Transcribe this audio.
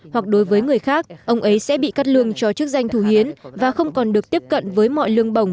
hoặc đối với người khác ông ấy sẽ bị cắt lương cho chức danh thù hiến và không còn được tiếp cận với mọi lương bổng